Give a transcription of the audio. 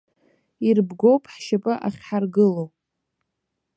Ирбгоуп ҳшьапы ахьҳаргыло.